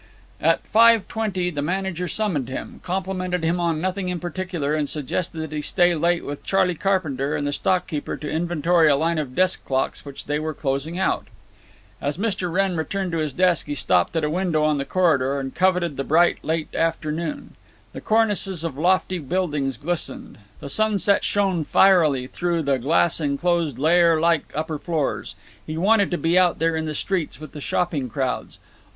At five twenty the manager summoned him, complimented him on nothing in particular, and suggested that he stay late with Charley Carpenter and the stock keeper to inventory a line of desk clocks which they were closing out. As Mr. Wrenn returned to his desk he stopped at a window on the corridor and coveted the bright late afternoon. The cornices of lofty buildings glistened; the sunset shone fierily through the glass inclosed layer like upper floors. He wanted to be out there in the streets with the shopping crowds.